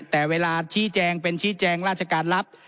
แต่เวลาชี้แจงเป็นชี้แจงราชการรับ